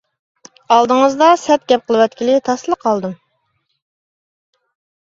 ئالدىڭىزدا سەت گەپ قىلىۋەتكىلى تاسلا قالدىم.